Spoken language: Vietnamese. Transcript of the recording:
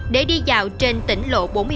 để đi dạo trên tỉnh lộ bốn mươi bảy